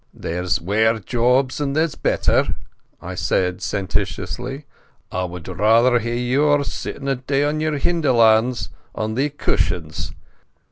"There's waur jobs and there's better," I said sententiously. "I wad rather hae yours, sittin' a' day on your hinderlands on thae cushions.